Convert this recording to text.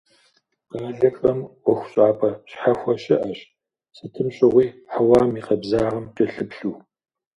Къалэхэм ӀуэхущӀапӀэ щхьэхуэ щыӀэщ, сытым щыгъуи хьэуам и къабзагъэм кӀэлъыплъу.